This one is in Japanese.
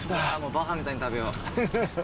バカみたいに食べよう。